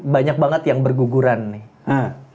banyak banget yang berguguran nih